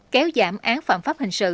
kéo giảm án phạm pháp hình sự